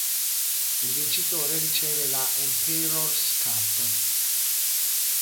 Il vincitore riceve la "Emperor's Cup".